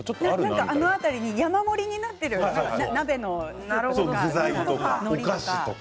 あの辺りに山盛りになっているお菓子とか。